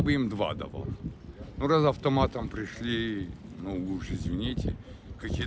ketika mereka datang dengan otomatis saya akan beri mereka dua